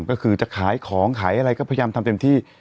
ก็คือจะขายของขายอะไรก็พยายามทำเต็มที่